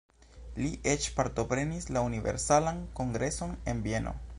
Li eĉ partoprenis la Universalan Kongreson en Vieno.